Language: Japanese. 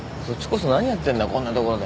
そっちこそ何やってんだこんな所で。